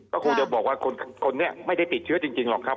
ก็คงจะบอกว่าคนนี้ไม่ได้ติดเชื้อจริงหรอกครับ